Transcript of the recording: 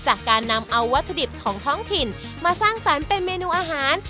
จากการนำเอาวัตถุดิบของท้องถิ่นมาสร้างสรรค์เป็นเมนูอาหาร